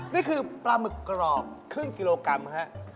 นี่คือปลาหมึกกรอบครึ่งกิโลกรัมฮะ